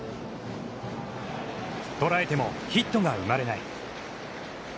捉えてもヒットが生まれない。